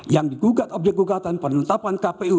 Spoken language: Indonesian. yang digugat objek gugatan penetapan kpu